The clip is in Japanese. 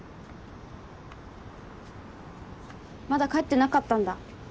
まだ帰ってなかったんだ。